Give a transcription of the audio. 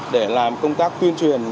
để làm công tác tuyên truyền